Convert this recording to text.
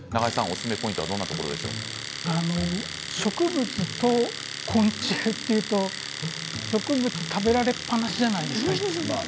植物と昆虫というと植物は食べられっぱなしじゃないですか。